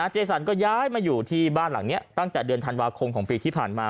เจสันก็ย้ายมาอยู่ที่บ้านหลังนี้ตั้งแต่เดือนธันวาคมของปีที่ผ่านมา